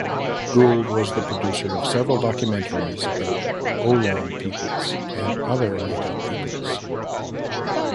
Gould was the producer of several documentaries about Ohlone peoples and other native peoples.